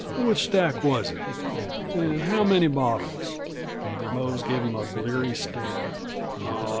"Which stack was it? And how many bottles?" Mose gave him a bleary stare.